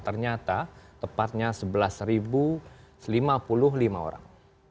ternyata tepatnya sebelas lima puluh lima orang